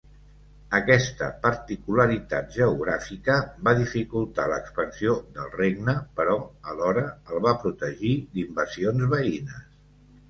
Aquesta particularitat geogràfica va dificultar l'expansió del regne, però alhora el va protegir d'invasions veïnes.